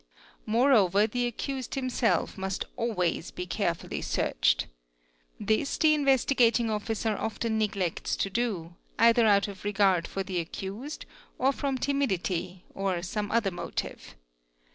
Moreover the accused himself must always be carefully searched This the Investigating Officer often neglects to do, either out of regar for the accused, or from timidity, or some other inotive.